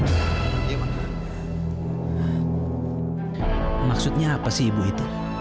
maksudnya apa sih ibu itu